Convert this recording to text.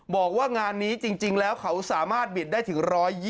บอกว่างานนี้จริงแล้วเขาสามารถบิดได้ถึง๑๒๐